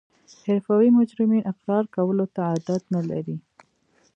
حرفوي مجرمین اقرار کولو ته عادت نلري